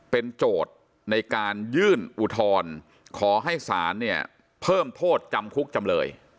เป็นโจทย์ในการยื่นอุทธรณ์ขอให้ศาลเนี่ยเพิ่มโทษจำคุกจำเลย